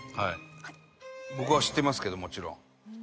僕は知ってますけどもちろん。